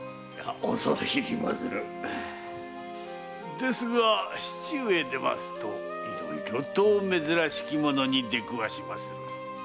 ですが市中へ出ますといろいろと珍しきものに出くわします。